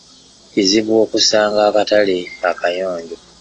Kizibu okusanga akatale akayonjo.